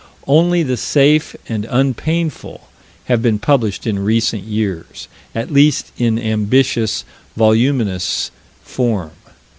Only the safe and unpainful have been published in recent years at least in ambitious, voluminous form.